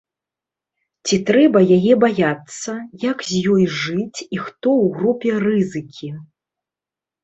Ці трэба яе баяцца, як з ёй жыць і хто ў групе рызыкі.